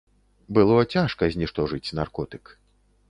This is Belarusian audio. Было цяжка зніштожыць наркотык.